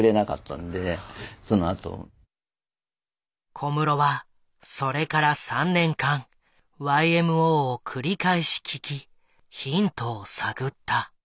小室はそれから３年間ＹＭＯを繰り返し聴きヒントを探った。